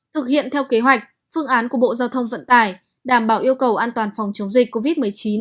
thực hiện theo kế hoạch phương án của bộ giao thông vận tải đảm bảo yêu cầu an toàn phòng chống dịch covid một mươi chín